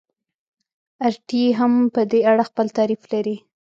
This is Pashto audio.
اریټي هم په دې اړه خپل تعریف لري.